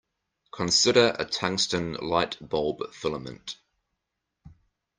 Consider a tungsten light-bulb filament.